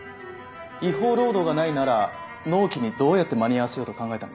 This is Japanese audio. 違法労働がないなら納期にどうやって間に合わせようと考えたんですか。